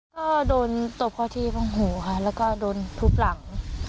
ก็โดนตบเขาที่พงหูค่ะแล้วก็โดนทุบหลัง